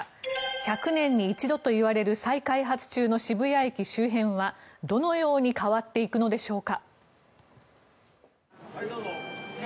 １００年に一度といわれる再開発中の渋谷駅周辺はどのように変わっていくのでしょうか。